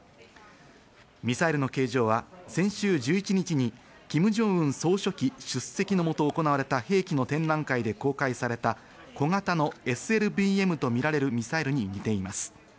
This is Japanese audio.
ミサイルの形状は先週１１日にキム・ジョンウン総書記出席のもと行われた、兵器の展覧会で公開された小型のＳＬＢＭとみられるミサイルに似ています。